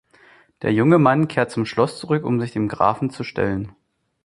Der junge Mann kehrt zum Schloss zurück, um sich dem Grafen zu stellen.